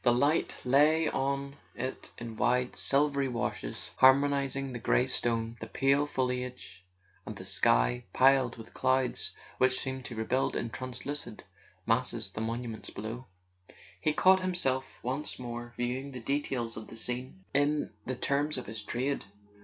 The light lay on it in wide silvery washes, harmonizing the grey stone, the pale foliage, and a sky piled with clouds which seemed to rebuild in translucid masses the monuments below. He caught himself once more viewing the details of the scene in the terms of his trade.